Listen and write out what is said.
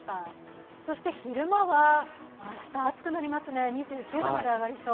そして昼間は明日、暑くなりますね２９度まで上がりそう。